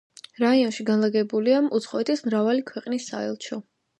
რაიონში განლაგებულია უცხოეთის მრავალი ქვეყნის საელჩო.